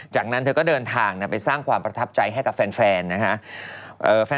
จากนั้นเธอก็เดินทางไปสร้างความประทับใจให้กับแฟนนะฮะ